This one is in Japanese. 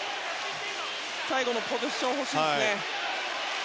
最後のポゼッションほしいですね。